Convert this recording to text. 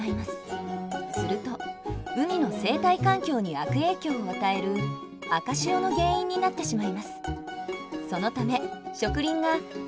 すると海の生態環境に悪影響を与える赤潮の原因になってしまいます。